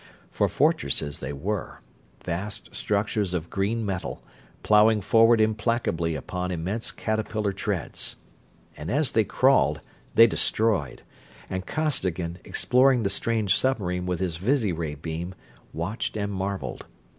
For fortresses they were; vast structures of green metal, plowing forward implacably upon immense caterpillar treads. And as they crawled they destroyed, and Costigan, exploring the strange submarine with his visiray beam, watched and marveled.